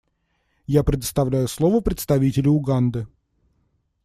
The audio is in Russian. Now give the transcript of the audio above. Я предоставляю слово представителю Уганды.